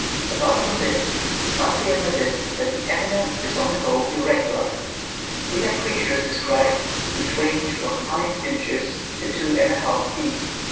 Apart from this it must be admitted that the evi dence is on the whole irregular. We have creatures described which range from five inches to two and a half feet.